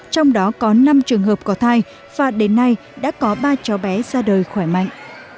trong đó có năm trường hợp có thai và đến nay đã có ba cháu bé ra đời khỏe mạnh